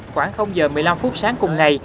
khoảng h một mươi năm sáng cùng ngày